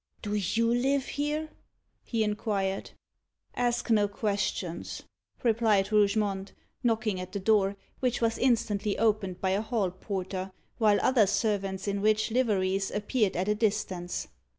"Do you live here?" he inquired. "Ask no questions," replied Rougemont, knocking at the door, which was instantly opened by a hall porter, while other servants in rich liveries appeared at a distance.